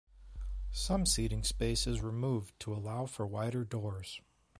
Some seating space is removed to allow for wider doors.